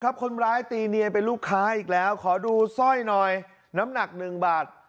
คนร้ายตีเนียนเป็นลูกค้าอีกแล้วขอดูสร้อยหน่อยน้ำหนักหนึ่งบาท